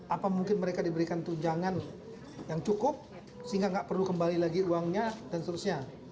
apa mungkin mereka diberikan tunjangan yang cukup sehingga nggak perlu kembali lagi uangnya dan seterusnya